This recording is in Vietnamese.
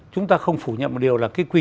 chúng ta không phủ nhận một điều là